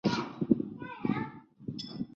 星射虫为星射虫科星射虫属的动物。